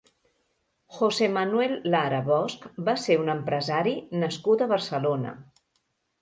José Manuel Lara Bosch va ser un empresari nascut a Barcelona.